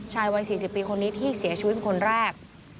วัย๔๐ปีคนนี้ที่เสียชีวิตเป็นคนแรก